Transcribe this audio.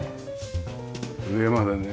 上までね